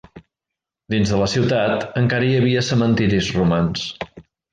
Dins de la ciutat, encara hi havia cementiris romans.